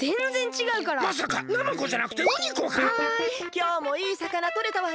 きょうもいいさかなとれたわよ。